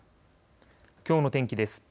きょうの天気です。